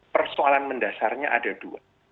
persoalan mendasarnya ada dua